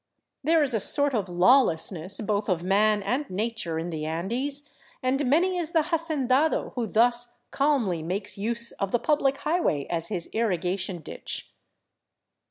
There is a sort of law lessness both of man and nature in the Andes, and many is the hacendado who thus calmly makes use of the public highway as his irrigation ditch.